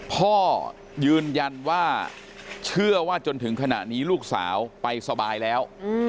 พ่อยืนยันว่าเชื่อว่าจนถึงขณะนี้ลูกสาวไปสบายแล้ว